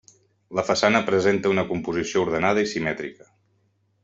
La façana presenta una composició ordenada i simètrica.